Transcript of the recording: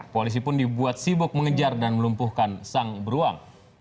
polisi pun dibuat sibuk mengejar dan melumpuhkan sang beruang